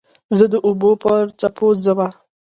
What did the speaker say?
زه د اوبو پر څپو ځمه